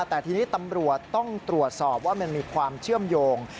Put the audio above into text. แต่ทีนี้ตำรวจต้องตรวจสอบว่ามันมีความเชื่อมโยง